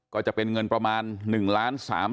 ก็จะเป็นเงินประมาณ๑ล้าน๓๐๐บาท